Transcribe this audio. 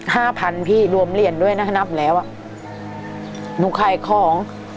ห้าพันพี่รวมเหรียญด้วยนะนับแล้วอ่ะหนูขายของ